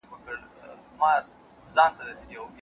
تا به یې په روڼو سترګو خیال تر لاس نیولی وي